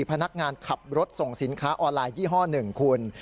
พนักงานขับรถส่งสินค้าออนไลน์ยี่ห้อหนึ่งคุณ